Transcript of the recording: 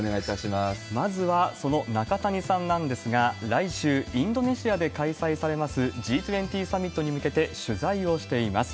まずはその中谷さんなんですが、来週、インドネシアで開催されますＧ２０サミットに向けて取材をしています。